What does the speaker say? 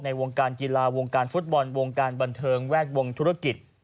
วงการกีฬาวงการฟุตบอลวงการบันเทิงแวดวงธุรกิจ